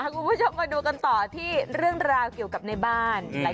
คุณผู้ชมมาดูกันต่อที่เรื่องราวเกี่ยวกับในบ้าน